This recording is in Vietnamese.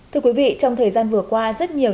thưa quý vị trong thời gian vừa qua rất nhiều